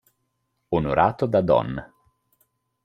Onorato da Don.